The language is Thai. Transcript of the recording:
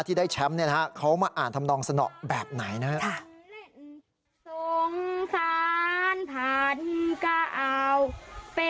ที่ได้แชมป์เขามาอ่านทำนองสนอแบบไหนนะครับ